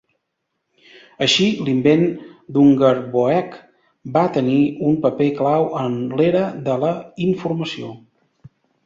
Així, l'invent d'Ungerboeck va tenir un paper clau en l'Era de la Informació.